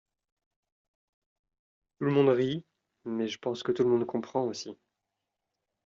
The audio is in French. Tout le monde rit, mais je pense que tout le monde comprend aussi.